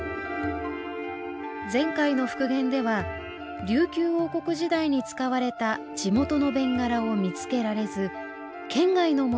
前回の復元では琉球王国時代に使われた地元の弁柄を見つけられず県外のものを使いました